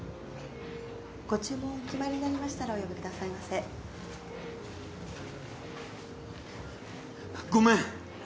ご注文お決まりになりましたらお呼びくださいませごめん！